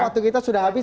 waktu kita sudah habis